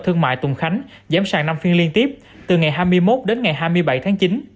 thương mại tùng khánh giám sàng năm phiên liên tiếp từ ngày hai mươi một đến ngày hai mươi bảy tháng chín